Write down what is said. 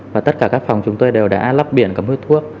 và tất cả các phòng chúng tôi đều đã lắp biển cấm hút thuốc